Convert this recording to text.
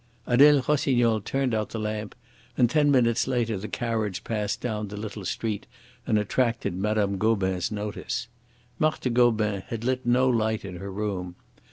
Adele Rossignol turned out the lamp and ten minutes later the carriage passed down the little street and attracted Mme. Gobin's notice. Marthe Gobin had lit no light in her room.